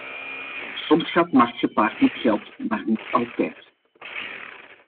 Soms gaat macht gepaard met geld, maar niet altijd.